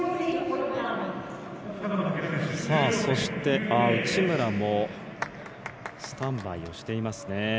そして、内村もスタンバイをしていますね。